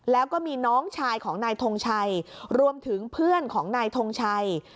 แล้วก็มีน้องชายของนายทงชัยรวมถึงเพื่อนของนายทงชัย